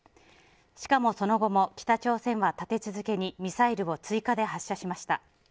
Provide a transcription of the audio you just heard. しかも、その後も北朝鮮は立て続けにミサイルを追加で発射しました。